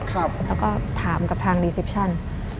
แล้วก็ถามกับทางรีเซปชั่น